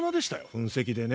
噴石でね。